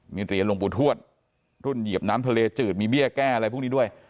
มีเหรียญหลวงปู่ทวดรุ่นเหยียบน้ำทะเลจืดมีเบี้ยแก้อะไรพวกนี้ด้วย